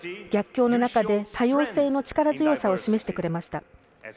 逆境の中で多様性の力強さを示してくれました。